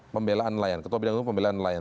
pembelaan nelayan ketua bidang umum pembelaan nelayan